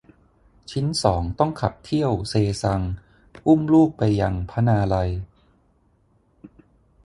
ชิ้นสองต้องขับเที่ยวเซซัง อุ้มลูกไปยังพนาไลย